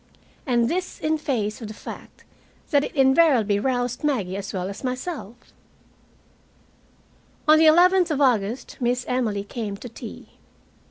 And this in face of the fact that it invariably roused Maggie as well as myself. On the eleventh of August Miss Emily came to tea.